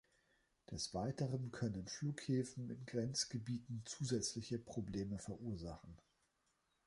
Des Weiteren können Flughäfen in Grenzgebieten zusätzliche Probleme verursachen.